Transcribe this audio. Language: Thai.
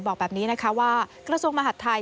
บอกแบบนี้นะคะว่ากระทรวงมหาดไทย